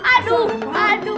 ada suara apaan deh